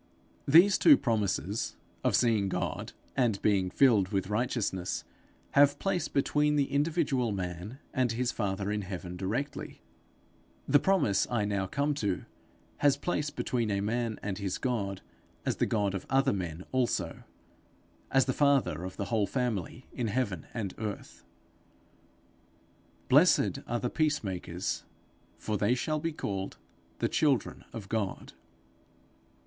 These two promises, of seeing God, and being filled with righteousness, have place between the individual man and his father in heaven directly; the promise I now come to, has place between a man and his God as the God of other men also, as the father of the whole family in heaven and earth: 'Blessed are the peace makers, for they shall be called the children of God.'